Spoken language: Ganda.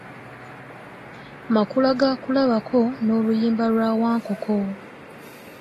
Makula ga kulabako n’Oluyimba lwa Wankoko.